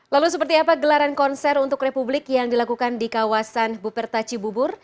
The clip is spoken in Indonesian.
lalu seperti apa gelaran konser untuk republik yang dilakukan di kawasan buperta cibubur